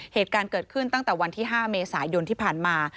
เหตุการณ์เกิดขึ้นตั้งแต่วันที่๕เมษายนที่ผ่านมา